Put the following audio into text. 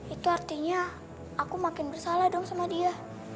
itu artinya aku makin bersalah dong sama dia